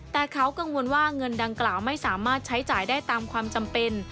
แต่เขากังวลว่าเงินดังกล่าวไม่สามารถใช้จ่ายได้ตามความจำเป็น